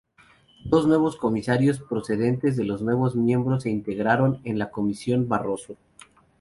Dos nuevos comisarios procedentes de los nuevos miembros se integraron en la Comisión Barroso.